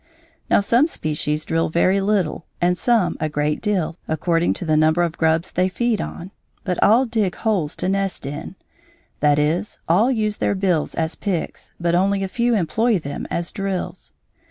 Now some species drill very little and some a great deal, according to the number of grubs they feed on; but all dig holes to nest in, that is, all use their bills as picks but only a few employ them as drills.